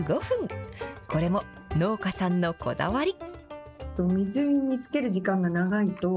これも農家さんのこだわり。